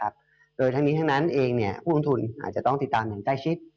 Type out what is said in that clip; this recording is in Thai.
โดยทั้งนี้ทั้งนั้นเองผู้ลงทุนอาจจะต้องติดตามอย่างใกล้ชิด